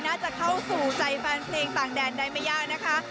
น่าจะเข้าสู่ใจแฟนเพลงต่างแดนได้ไม่ยากนะคะ